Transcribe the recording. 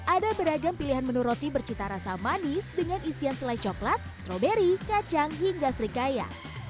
ada beragam pilihan menu roti bercita rasa manis dengan isian selai coklat stroberi kacang hingga serikaya